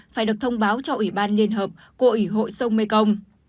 phải được thông báo cho ủy ban liên hợp của ủy hội sông mê công